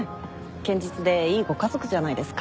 堅実でいいご家族じゃないですか。